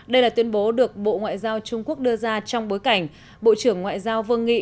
đây là tuyên bố được bộ ngoại giao trung quốc đưa ra trong bối cảnh bộ trưởng ngoại giao vương nghị